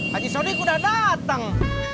haji sodik udah datang